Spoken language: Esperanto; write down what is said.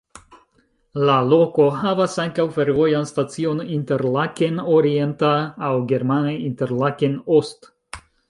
La loko havas ankaŭ fervojan stacion Interlaken orienta aŭ germane "Interlaken Ost.